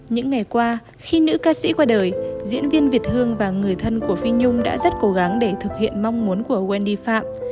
những ngày qua khi nữ ca sĩ qua đời diễn viên việt hương và người thân của phi nhung đã rất cố gắng để thực hiện mong muốn của wendy phạm